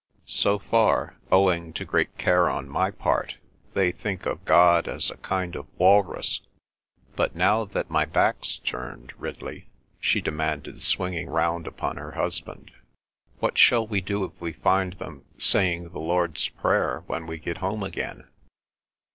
So far, owing to great care on my part, they think of God as a kind of walrus; but now that my back's turned—Ridley," she demanded, swinging round upon her husband, "what shall we do if we find them saying the Lord's Prayer when we get home again?"